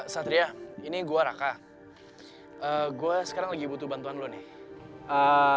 satria ini gue raka gue sekarang lagi butuh bantuan lo nih